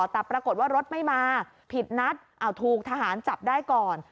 แต่ปรากฏว่ารถไม่มาผิดนัดถูกทหารจับได้ก่อน